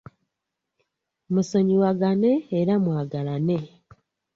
Musonyiwagane era mwagalane.